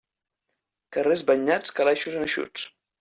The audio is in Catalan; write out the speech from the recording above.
Carrers banyats, calaixos eixuts.